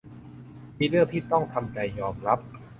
มีเรื่องที่ต้องจำใจยอมรับ